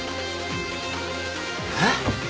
えっ！？